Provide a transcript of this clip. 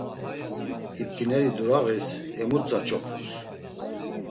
İptineri durağis Emutza ç̌opums.